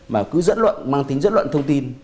mà cứ dẫn luận mang tính chất luận thông tin